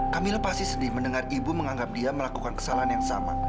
kami lepasi sedih mendengar ibu menganggap dia melakukan kesalahan yang sama